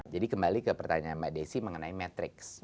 jadi kembali ke pertanyaan mbak desy mengenai matrix